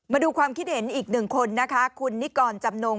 มาดูความคิดเห็นอีก๑คนคุณนิกรณ์จำนง